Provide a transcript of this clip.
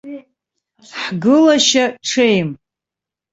Ҳгылашьа ҽеим.